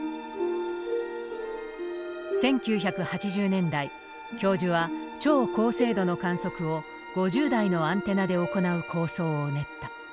１９８０年代教授は超高精度の観測を５０台のアンテナで行う構想を練った。